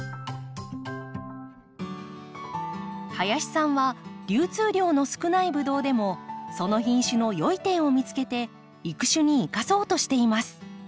林さんは流通量の少ないブドウでもその品種の良い点を見つけて育種に生かそうとしています。